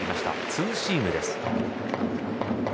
ツーシームです。